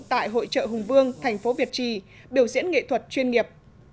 tại hội trợ hùng vương thành phố việt trì biểu diễn nghệ thuật chuyên nghiệp